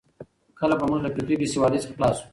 کله به موږ له فکري بېسوادۍ څخه خلاص سو؟